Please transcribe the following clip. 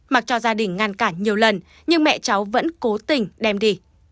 mặc cho gia đình ngăn cản nhiều lần nhưng mẹ cháu vẫn cố tình đem đi